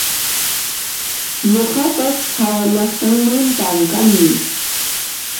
Nuqapas hawallaqtamantan kani